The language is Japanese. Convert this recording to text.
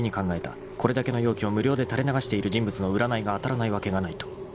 ［これだけの妖気を無料で垂れ流している人物の占いが当たらないわけがないと］